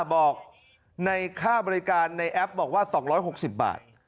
บอกในค่าบริการในแอปบอกว่า๒๖๐บาท